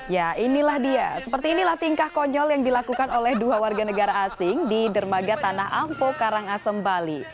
ya inilah dia seperti inilah tingkah konyol yang dilakukan oleh dua warga negara asing di dermaga tanah ampo karangasem bali